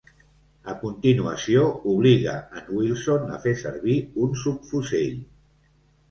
A continuació obliga en Wilson a fer servir un subfusell.